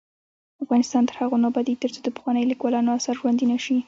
افغانستان تر هغو نه ابادیږي، ترڅو د پخوانیو لیکوالانو اثار ژوندي نشي.